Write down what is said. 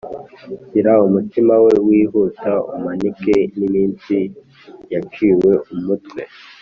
shyira umutima we wihuta, umanike n'imitsi yaciwe umutwe